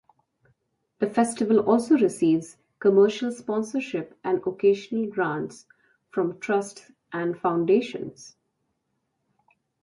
The festival also receives commercial sponsorship and occasional grants from trusts and foundations.